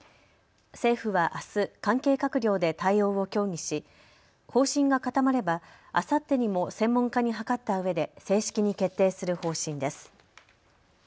政府はあす関係閣僚で対応を協議し方針が固まれば、あさってにも専門家に諮ったうえで正式に決定する方針です。